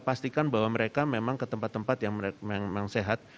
pastikan bahwa mereka memang ke tempat tempat yang memang sehat